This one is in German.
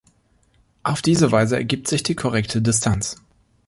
Auf diese Weise ergibt sich die korrekte Distanz.